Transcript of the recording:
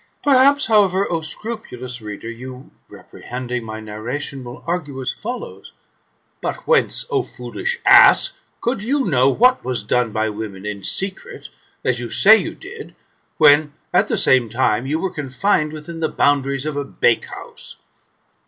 Perhaps, however, O scrupulous reader, you, reprehending my narration, will argue as follows :*' But whence, O foolish ass, could you know what was dore by women in secret, as you say you did, when, at the same time, you were confined within the boundaries of a bakehouse